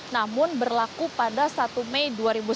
namun berlaku pada satu mei dua ribu sembilan belas